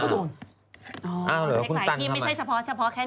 อ๋อหลายทีไม่ใช่เฉพาะแค่นี้